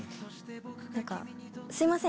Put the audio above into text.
何かすいません